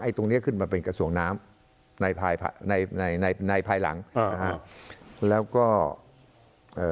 ตรงเนี้ยขึ้นมาเป็นกระทรวงน้ำในภายในในในภายหลังอ่านะฮะแล้วก็เอ่อ